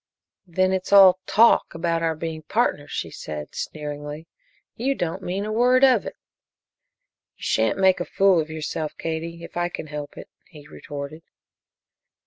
"Then it's all 'talk' about our being partners," she said, sneeringly. "You don't mean a word of it." "You shan't make a fool of yourself, Katie, if I can help it," he retorted.